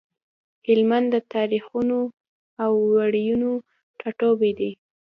هلمند د تاريخونو او وياړونو ټاټوبی دی۔